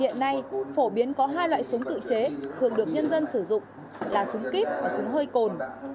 hiện nay phổ biến có hai loại súng tự chế thường được nhân dân sử dụng là súng kíp và súng hơi cồn